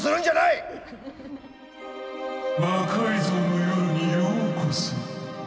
「魔改造の夜」にようこそ。